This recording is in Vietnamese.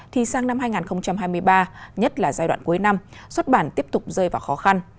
thì sang năm hai nghìn hai mươi ba nhất là giai đoạn cuối năm xuất bản tiếp tục rơi vào khó khăn